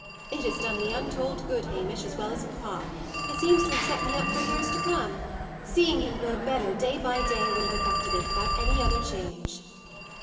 "It has done me untold good, Hamish, as well as papa; it seems to have set me up for years to come. Seeing him grow better day by day would have effected it, without any other change."